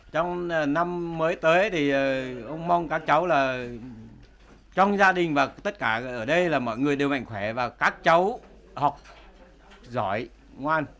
trong năm mới tới thì ông mong các cháu là trong gia đình và tất cả ở đây là mọi người đều mạnh khỏe và các cháu học giỏi ngoan